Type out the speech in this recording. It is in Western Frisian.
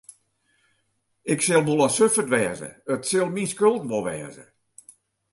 Ik sil wol in grutte suffert wêze, it sil myn skuld wol wêze.